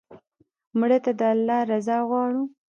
مړه ته د الله رضا غواړو